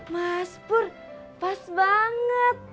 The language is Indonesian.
mas pur pas banget